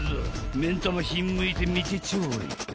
［目ん玉ひんむいて見てちょうだい］